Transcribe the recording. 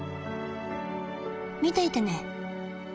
見ていてね。